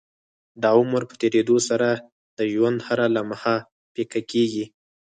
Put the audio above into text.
د عمر په تيريدو سره د ژوند هره لمحه پيکه کيږي